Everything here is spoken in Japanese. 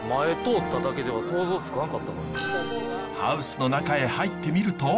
ハウスの中へ入ってみると。